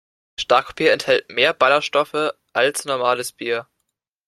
Starkbier enthält mehr Ballerstoffe als normales Bier.